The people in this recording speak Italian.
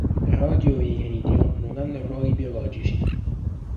Rodio e iridio non hanno ruoli biologici.